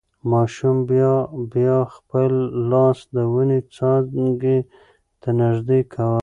ماشوم بیا بیا خپل لاس د ونې څانګې ته نږدې کاوه.